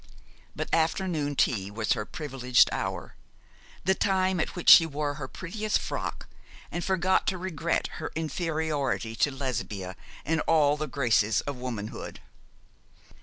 But afternoon tea was her privileged hour the time at which she wore her prettiest frock, and forgot to regret her inferiority to Lesbia in all the graces of womanhood.